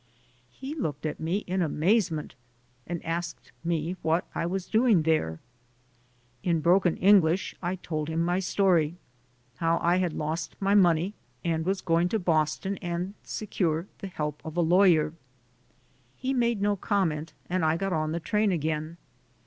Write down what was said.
He looked at me in amazement and asked me what I was doing there. In broken English I told him my story, how I had lost my money and was going to Boston and I GO TO JAIL 113 secure the help of a lawyer. He made no com ment, and I got on the train again.